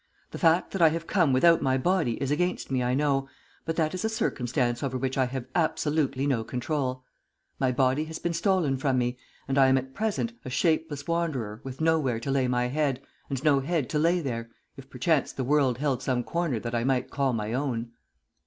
The fact that I have come without my body is against me, I know, but that is a circumstance over which I have absolutely no control. My body has been stolen from me, and I am at present a shapeless wanderer with nowhere to lay my head, and no head to lay there, if perchance the world held some corner that I might call my own."